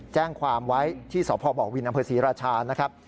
แจ้งความไว้ที่สบวินอศริราชานะครับ